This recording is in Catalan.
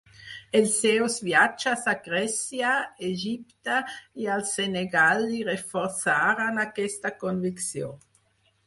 Els seus viatges a Grècia, Egipte i al Senegal li reforçaren aquesta convicció.